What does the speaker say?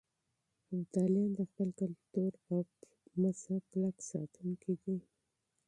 ابدالیان د خپل کلتور او مذهب کلک ساتونکي دي.